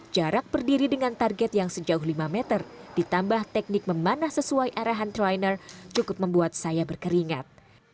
jarak berdiri dengan target yang sejauh lima meter ditambah teknik memanah sesuai arahan trainer cukup membuat saya berkeringat